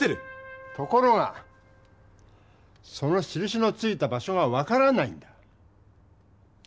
ところがそのしるしのついた場所が分からないんだ。